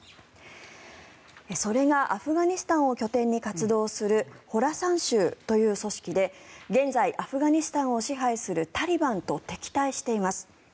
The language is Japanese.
それがアフガニスタンを拠点に活動をするホラサン州という組織で現在、アフガニスタンを支配するタリバンと敵対しています。